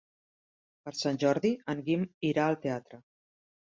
Per Sant Jordi en Guim irà al teatre.